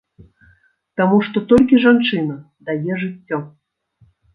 Таму што толькі жанчына дае жыццё.